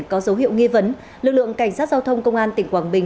có dấu hiệu nghi vấn lực lượng cảnh sát giao thông công an tỉnh quảng bình